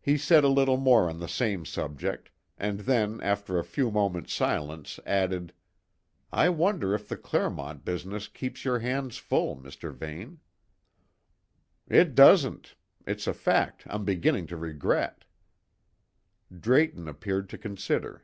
He said a little more on the same subject, and then, after a few moments' silence added: "I wonder if the Clermont business keeps your hands full, Mr. Vane." "It doesn't. It's a fact I'm beginning to regret." Drayton appeared to consider.